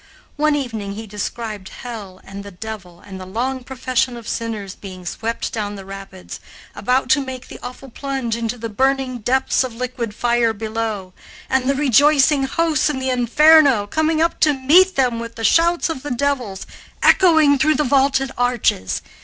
One evening he described hell and the devil and the long procession of sinners being swept down the rapids, about to make the awful plunge into the burning depths of liquid fire below, and the rejoicing hosts in the inferno coming up to meet them with the shouts of the devils echoing through the vaulted arches.